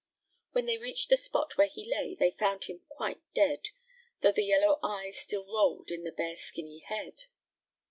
When they reached the spot where he lay they found him quite dead, though the yellow eyes still rolled in the bare skinny head.